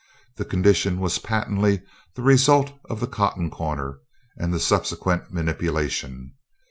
This condition was patently the result of the cotton corner and the subsequent manipulation.